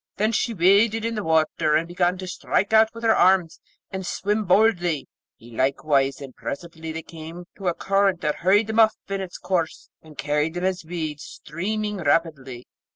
Then she waded in the water, and began to strike out with her arms, and swim boldly, he likewise; and presently they came to a current that hurried them off in its course, and carried them as weeds, streaming rapidly.